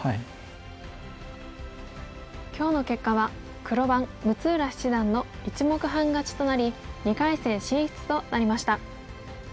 今日の結果は黒番六浦七段の１目半勝ちとなり２回戦進出となりました。